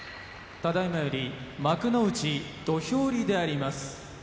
ただいまより幕内土俵入りであります。